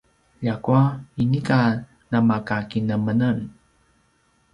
ljakua inika namakinemenem